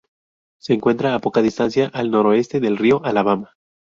Se encuentra a poca distancia al noroeste del río Alabama.